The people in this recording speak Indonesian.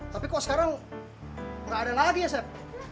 tapi kok sekarang gak ada lagi sep